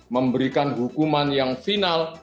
memberikan hukuman yang final